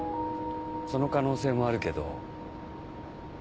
その可能性もあるけど。